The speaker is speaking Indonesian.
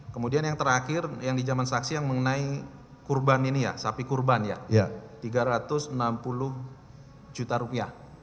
kemudian yang terakhir yang di jaman saksi yang mengenai kurban ini ya sapi kurban ya tiga ratus enam puluh juta rupiah